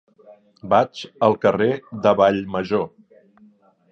Vaig al carrer de Vallmajor.